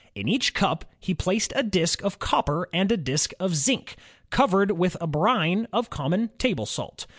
In each cup he placed a disk of copper and a disk of zinc, covered with a brine of common table salt.